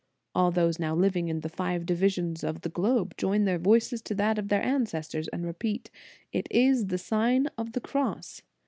All those now living in the five divisions of the globe, join their voice to that of their ancestors and repeat: It is the Sign of the Cross."